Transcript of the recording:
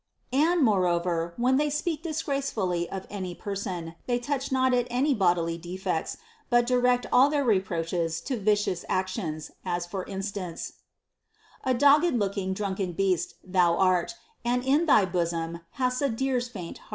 * And moreover, when they speak disgracefully of any per son, they touch not at bodily defects, but direct all their re proaches to vicious actions ; as for instance : A dogged looking, drunken beast thou art, And in thy bosom hast a deer's faint heart ;* II.